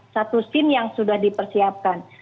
satu scene yang sudah dipersiapkan